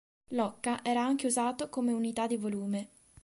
L'occa era anche usato come unità di volume.